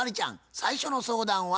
最初の相談は？